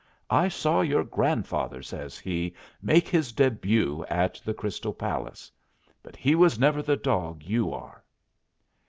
I saw your grandfather," says he, "make his début at the Crystal Palace. But he was never the dog you are!"